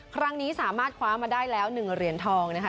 ครั้งนี้สามารถคว้ามาได้แล้ว๑เหรียญทองนะคะ